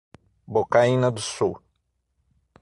Bocaina do Sul